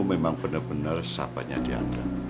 kamu memang benar benar sahabatnya di anda